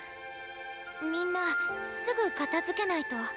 みんなすぐ片づけないと。